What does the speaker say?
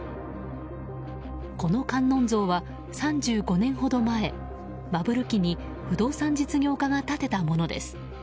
この観音像は３５年ほど前バブル期に不動産実業家が建てたものです。